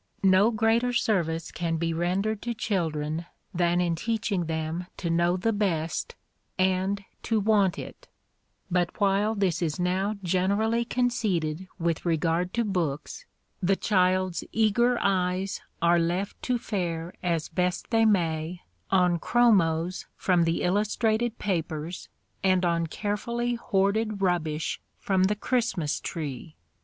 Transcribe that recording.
No greater service can be rendered to children than in teaching them to know the best and to want it; but while this is now generally conceded with regard to books, the child's eager eyes are left to fare as best they may on chromos from the illustrated papers and on carefully hoarded rubbish from the Christmas tree.